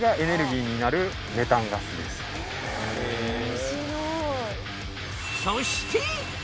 面白い！